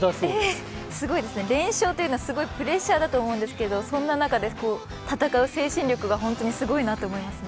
ええ、すごいですね連勝っていうのはすごいプレッシャーだと思うんですけどそんな中で戦う精神力が本当にすごいなと思います。